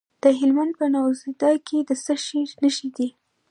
د هلمند په نوزاد کې د څه شي نښې دي؟